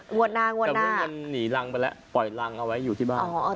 งวดหน้างวดหน้าแต่มันหนีรังไปแล้วปล่อยรังเอาไว้อยู่ที่บ้านอ๋อ